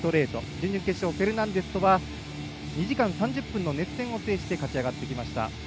準々決勝、フェルナンデスとは２時間３０分の熱戦を制して勝ち上がってきました。